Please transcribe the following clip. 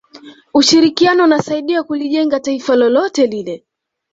ushirikiano unasaidia kulijenga taifa lolote lile